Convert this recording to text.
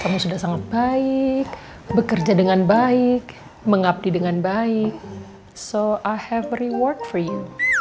kamu sudah sangat baik bekerja dengan baik mengabdi dengan baik so i have a reward for you